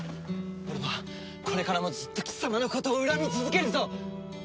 俺はこれからもずっと貴様のことを恨み続けるぞ！